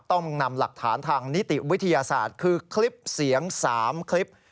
ต้องนำหลักฐานทางนิติวิทยาศาสตร์คือคลิปเสียง๓คลิป